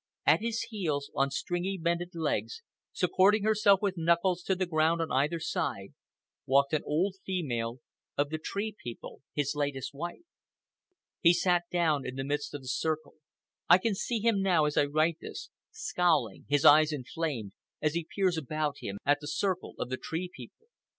At his heels, on stringy bended legs, supporting herself with knuckles to the ground on either side, walked an old female of the Tree People, his latest wife. He sat down in the midst of the circle. I can see him now, as I write this, scowling, his eyes inflamed, as he peers about him at the circle of the Tree People.